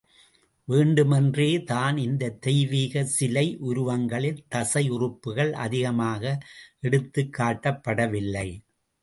வேண்டுமென்றே தான் இந்தத் தெய்வீக சிலை உருவங்களில் தசை உறுப்புக்கள் அதிகமாக எடுத்துக்காட்டப்படவில்லை.